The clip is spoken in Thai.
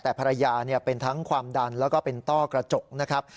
แต่ภรรยาเป็นทั้งความดันแล้วก็เป็นต้อกระจกนะครับ